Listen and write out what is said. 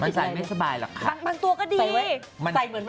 มันใส่สบายไหมละ